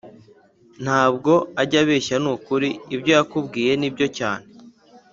Ntabwo ajya beshya nukuri ibyo yakubwiye nibyo cyane